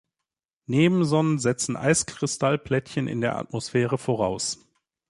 Nebensonnen setzen Eiskristall-Plättchen in der Atmosphäre voraus.